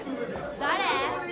誰？